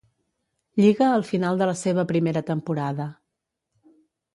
Lliga al final de la seva primera temporada.